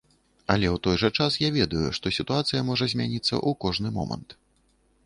Але ў той жа час я ведаю, што сітуацыя можа змяніцца ў кожны момант.